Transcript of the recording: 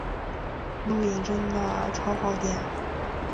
录影真的超耗电